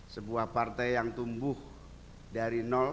sebuah partai yang tumbuh dari